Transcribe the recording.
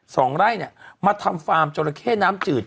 สองไร่เนี่ยมาทำฟาร์มจราเข้น้ำจืด